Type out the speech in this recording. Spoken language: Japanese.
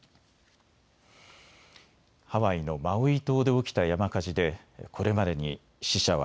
ハワイのマウイ島で起きた山火事で、これまでに死者は